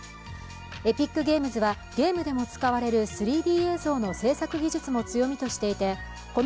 エピックゲームズはゲームでも使われる３Ｄ映像の制作技術も強みとしていてね